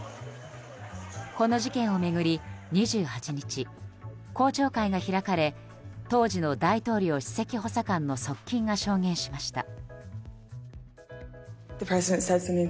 この事件を巡り２８日公聴会が開かれ当時の大統領首席補佐官の側近が証言しました。